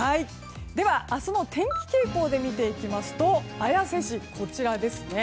では明日の天気傾向で見ていきますと、綾瀬市こちら。